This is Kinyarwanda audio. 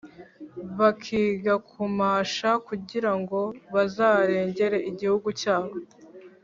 Bakiga kumasha, kugirango bazarengere igihugu cyabo,